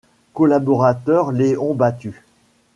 Collaborateur Léon Battu.